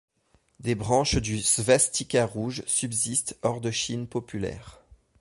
Des branches du Svastika rouge subsistent hors de Chine populaire.